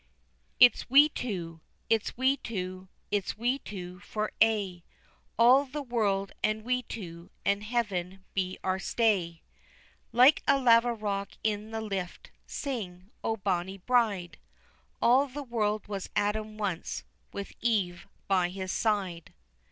"It's we two, it's we two, it's we two for aye, All the world and we two, and Heaven be our stay, Like a laverock in the lift, sing, O bonny bride! All the world was Adam once, with Eve by his side."